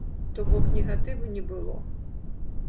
То-бок, негатыву не было.